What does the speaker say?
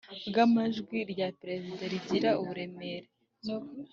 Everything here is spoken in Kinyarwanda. Bw amajwi irya perezida rigira uburemere